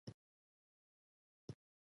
د علامه رشاد لیکنی هنر مهم دی ځکه چې سختکوش دی.